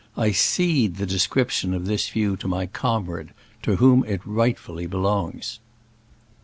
I cede the description of this view to my com rade, to whom it rightfully belongs.